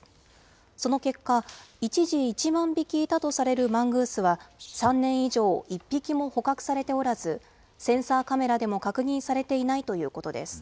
その結果、一時、１万匹いたとされるマングースは、３年以上１匹も捕獲されておらず、センサーカメラでも確認されていないということです。